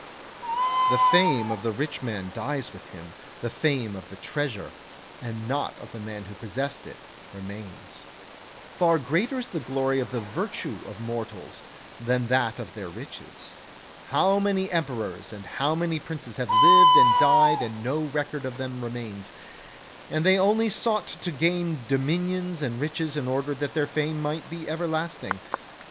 The fame of the rich man dies with him; the fame of the treasure, and not of the man who possessed it, remains. Far greater is the glory of the virtue of mortals than that of their riches. How many emperors and how many princes have lived and died and no record of them remains, and they only sought to gain dominions and riches in order that their fame might be ever lasting.